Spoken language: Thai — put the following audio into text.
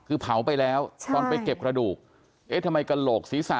คือเผาไปแล้วตอนไปเก็บกระดูกเอ๊ะทำไมกระโหลกศีรษะ